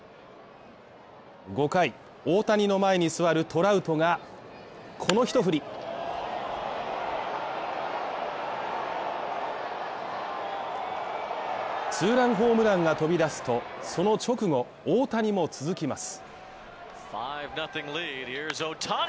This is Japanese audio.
５回、大谷の前に座るトラウトがこの一振り２ランホームランが飛び出すと、その直後大谷も続きます。